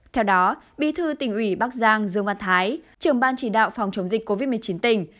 theo đó bí thư tỉnh ủy bắc giang dương văn thái trưởng ban chỉ đạo phòng chống dịch covid một mươi chín tỉnh